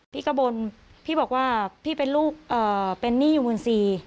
พี่กะบนพี่บอกว่าพี่เป็นนี่อยู่หมื่น๔